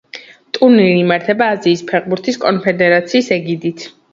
ტურნირი იმართება აზიის ფეხბურთის კონფედერაციის ეგიდით.